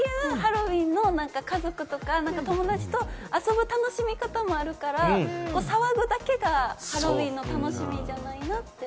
そういうハロウィーンの家族とか友達と遊ぶ楽しみ方もあるから、騒ぐだけがハロウィーンの楽しみじゃないなって。